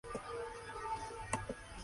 La banda decidió sacarlo de la casa.